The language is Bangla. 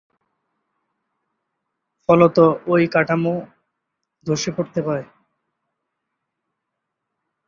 ফলত, ঐ কাঠামো ধ্বসে পড়তে পারে।